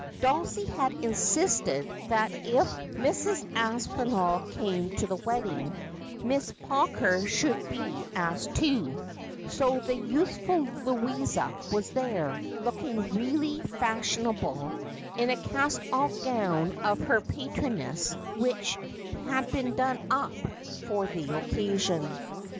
Dulcie had insisted that if Mrs. Aspinall came to the wedding, Miss Pawker should be asked too, so the useful Louisa was there, looking really fashion able, in a cast off gown of her patroness which had been done up for the occasion.